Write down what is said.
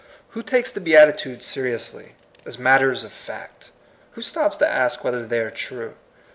Who takes the Beatitudes seiiously, as matters of fact? Who stops to ask whether they are true?